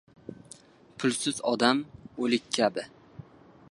• Pulsiz odam — o‘lik kabi.